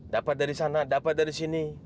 dapat dari sana dapat dari sini